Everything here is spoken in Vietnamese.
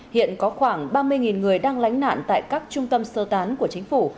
hiện có khoảng ba mươi người đang lánh nạn tại các trung tâm sơ tán của chính phủ